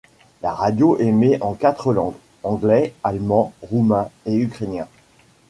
La radio émet en quatre langues: anglais, allemand, roumain et ukrainien.